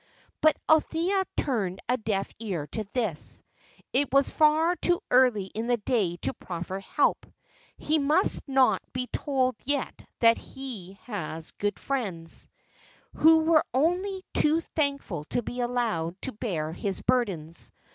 But Althea turned a deaf ear to this. It was far too early in the day to proffer help. He must not be told yet that he had good friends, who were only too thankful to be allowed to bear his burdens.